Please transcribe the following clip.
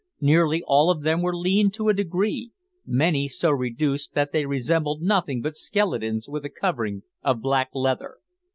Nearly all of them were lean to a degree, many so reduced that they resembled nothing but skeletons with a covering of black leather.